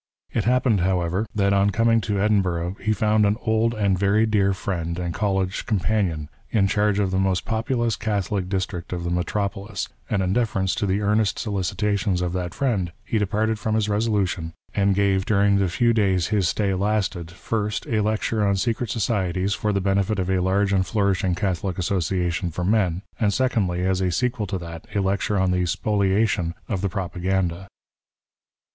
It happened, however, that on coming to Edinburgh he found an old and very dear friend and College companion in charge of the most populous Catholic district of the metropolis, and in deference to the earnest solicitations of that friend, he departed from his resolution and gave during the few days his stay lasted, first, a lecture on Secret Societies for the benefit of a large and flourishing Catholic Association for men ; and secondly, as a sequel to that, a lecture on the Spohation of the Propaganda.